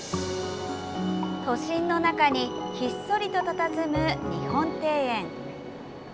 都心の中にひっそりとたたずむ日本庭園。